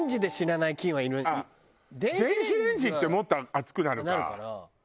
電子レンジってもっと熱くなるか。